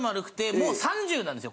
もう３０なんですよ。